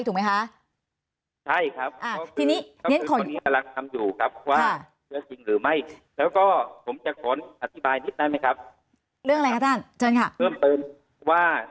ถูกไหมคะ